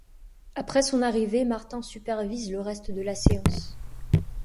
Après son arrivée, Martin supervise le reste de la séance.